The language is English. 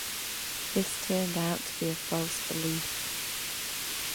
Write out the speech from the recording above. This turned out to be a false belief.